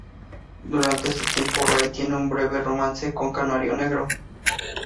Durante este tiempo, Ray tiene un breve romance con Canario Negro.